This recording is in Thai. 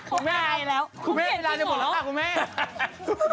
คุณแม่ได้แล้วคุณแม่ได้บอกแล้วครับคุณแม่